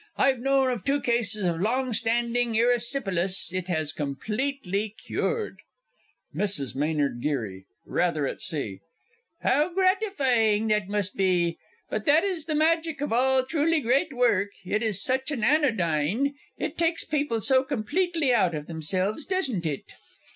I've known of two cases of long standing erysipelas it has completely cured. MRS. M. G. (rather at sea). How gratifying that must be. But that is the magic of all truly great work, it is such an anodyne it takes people so completely out of themselves doesn't it?